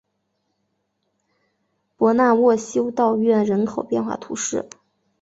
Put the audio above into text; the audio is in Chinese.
博纳沃修道院人口变化图示